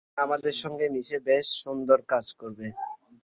সে আমাদের সঙ্গে মিশে বেশ সুন্দর কাজ করবে।